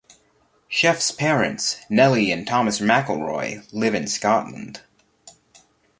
Chef's parents, Nellie and Thomas McElroy, live in Scotland.